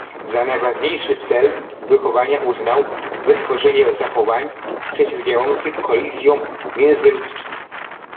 Za najważniejszy cel wychowania uznał wytworzenie zachowań przeciwdziałających kolizjom międzyludzkim